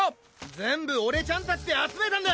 全部俺ちゃんたちで集めたんだ！